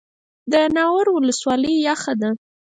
د ناور ولسوالۍ یخه ده